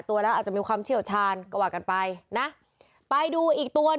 ๖ทีก็มีตายกันนะคะ